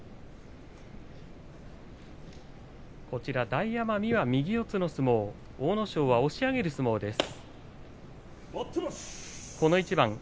大奄美は右四つの相撲阿武咲は押し上げる相撲です。